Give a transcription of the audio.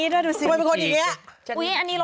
แล้วดูสิมันเป็นคนอย่างนี้